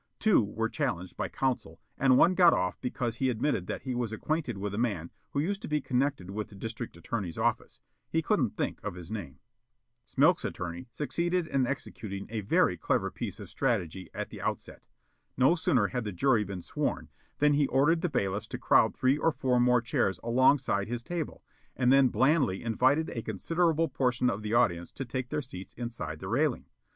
Two were challenged by counsel and one got off because he admitted that he was acquainted with a man who used to be connected with the District Attorney's office, he couldn't think of his name. Smilk's attorney succeeded in executing a very clever piece of strategy at the outset. No sooner had the jury been sworn than he ordered the bailiffs to crowd three or four more chairs alongside his table, and then blandly invited a considerable portion of the audience to take their seats inside the railing.